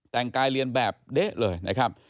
แต่งกายเรียนแบบเด๊ะเลยนะครับ